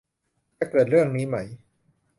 จะเกิดเรื่องนี้ไหม ?